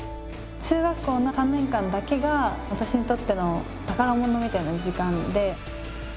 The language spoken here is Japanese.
中学校の３年間だけが私にとっての宝物みたいな時間で。